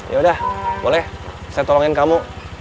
yaudah boleh saya tolongin kamu